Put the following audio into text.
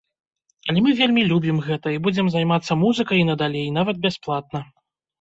Але мы вельмі любім гэта і будзем займацца музыкай і надалей нават бясплатна.